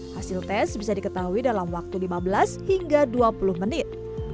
hasil tes bisa diketahui dalam waktu lima belas hingga dua puluh menit